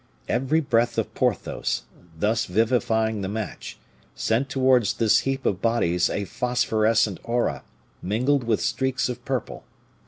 Every breath of Porthos, thus vivifying the match, sent towards this heap of bodies a phosphorescent aura, mingled with streaks of purple.